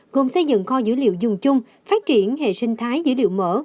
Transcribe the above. gồm xây dựng kho dữ liệu dùng chung phát triển hệ sinh thái dữ liệu mở